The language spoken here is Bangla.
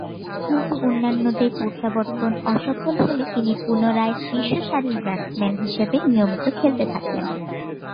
কিন্তু অন্যান্যদের প্রত্যাবর্তন অসফল হলে তিনি পুনরায় শীর্ষ সারির ব্যাটসম্যান হিসেবে নিয়মিত খেলতে থাকেন।